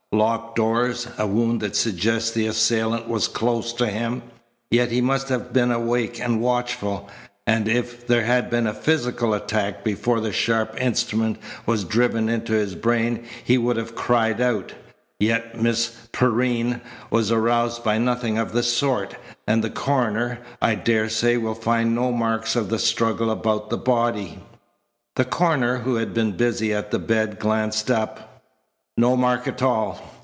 Locked doors, a wound that suggests the assailant was close to him, yet he must have been awake and watchful; and if there had been a physical attack before the sharp instrument was driven into his brain he would have cried out, yet Miss Perrine was aroused by nothing of the sort, and the coroner, I daresay, will find no marks of a struggle about the body." The coroner who had been busy at the bed glanced up. "No mark at all.